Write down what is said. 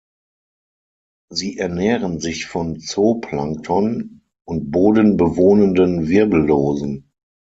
Sie ernähren sich von Zooplankton und bodenbewohnenden Wirbellosen.